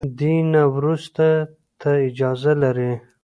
دې نه وروسته ته اجازه لري.